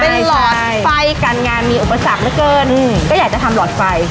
เป็นหลอดไฟการงานมีอุปสรรคเหลือเกินก็อยากจะทำหลอดไฟ